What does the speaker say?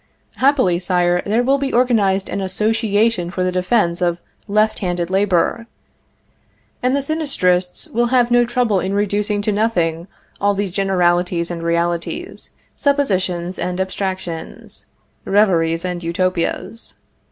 Happily, Sire, there will be organized an association for the defense of left handed labor, and the Sinistrists will have no trouble in reducing to nothing all these generalities and realities, suppositions and abstractions, reveries and Utopias.